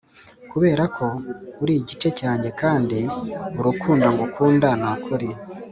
kuberako uri igice cyanjye kandi urukundo ngukunda nukuri.